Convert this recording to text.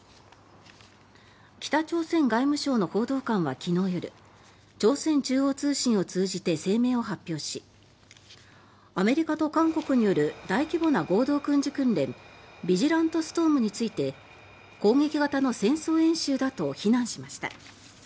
北朝鮮外務省の報道官は昨日夜朝鮮中央通信を通じて声明を発表しアメリカと韓国による大規模な合同軍事訓練ビジラントストームについて攻撃型の戦争演習だと非難しました。